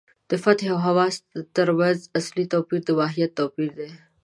د فتح او حماس تر منځ اصلي توپیر د ماهیت توپیر دی.